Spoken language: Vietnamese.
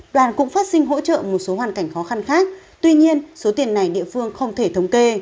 đoàn cũng phát sinh hỗ trợ một số hoàn cảnh khó khăn khác tuy nhiên số tiền này địa phương không thể thống kê